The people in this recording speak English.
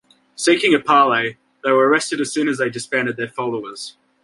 Seeking a parley, they were arrested as soon as they disbanded their followers.